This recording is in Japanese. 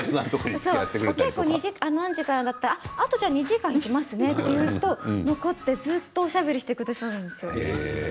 お稽古、何時からだから２時間いけますねなんて言うと残ってずっとおしゃべりしてくださるんですよ。